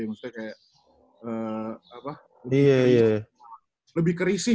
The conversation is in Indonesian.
maksudnya kayak lebih kerisih